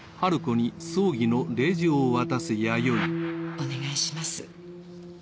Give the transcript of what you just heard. お願いします。